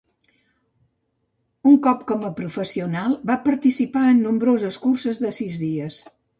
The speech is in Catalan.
Un cop com a professional, va participar en nombroses curses de sis dies.